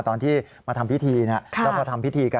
ตอนที่มาทำพิธีแล้วพอทำพิธีกัน